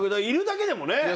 いるだけでもね。